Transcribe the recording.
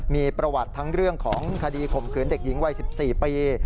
มีประวัติทั้งเรื่องของคดีข่มขืนเด็กหญิงวัย๑๔ปี